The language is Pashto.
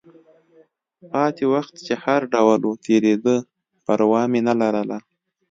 پاتې وخت چې هر ډول و، تېرېده، پروا مې نه لرله.